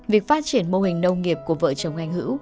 việc phát triển mô hình nông nghiệp của vợ chồng anh hữu